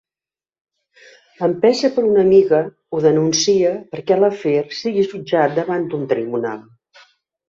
Empesa per una amiga, ho denuncia perquè l'afer sigui jutjat davant un tribunal.